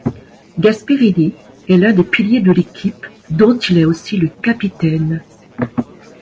Gasperini est l'un des piliers de l'équipe dont il est aussi le capitaine.